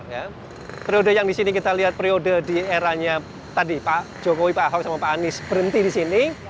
pada periode yang di sini kita lihat periode di eranya tadi pak jokowi pak ahok sama pak anies berhenti di sini